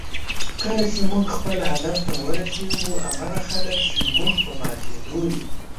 کله چې موږ خپل هدف ته ورسېږو، هماغه خلک چې زموږ په ماتېدو یې